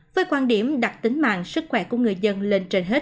với quan điểm đặt tính mạng sức khỏe của người dân lên trên hết